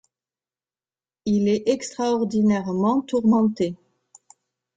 Il est extraordinairement tourmenté.